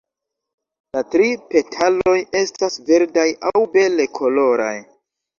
La tri petaloj estas verdaj aŭ bele koloraj.